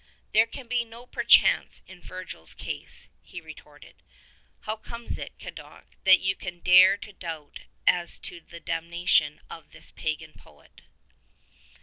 "There can be no perchance in Virgil's case," he retorted. "How comes it, Cadoc, that you can dare to doubt as to the damnation of this pagan poet